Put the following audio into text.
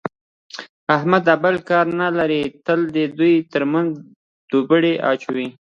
احمد بل کار نه لري، تل د دوو ترمنځ دوپړې اچوي.